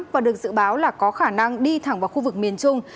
và được dự báo là có khả năng đi thẳng vào khu vực miền trung